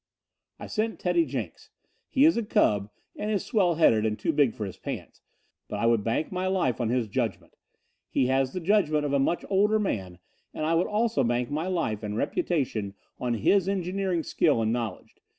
"I sent Teddy Jenks. He is a cub and is swell headed and too big for his pants, but I would bank my life on his judgment. He has the judgment of a much older man and I would also bank my life and reputation on his engineering skill and knowledge.